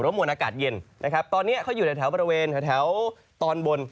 มวลอากาศเย็นนะครับตอนนี้เขาอยู่ในแถวบริเวณแถวตอนบน